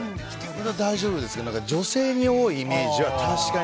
僕は大丈夫ですけど女性に多いイメージは確かに。